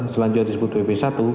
selanjutnya disebut bb satu